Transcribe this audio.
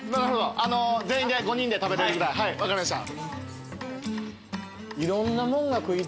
全員で５人で食べれるぐらいはい分かりました。